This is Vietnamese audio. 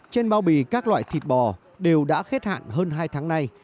trên bao bì các loại thịt bò đều đã hết hạn hơn hai tháng nay